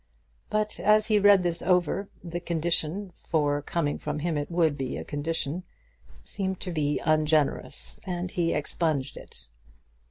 But as he read this over, the condition, for coming from him it would be a condition, seemed to him to be ungenerous, and he expunged it.